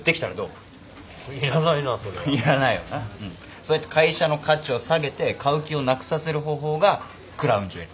そうやって会社の価値を下げて買う気をなくさせる方法がクラウンジュエル。